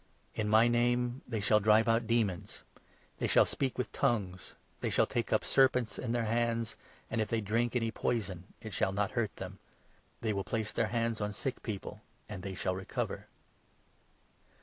In my Name they shall drive out demons ; they shall speak with 'tpngues' ; they shall take up serpents in their hands ; and, it they drink 18 any poison, it shall not hurt them ; they will place their hands on sick people and they shall recover."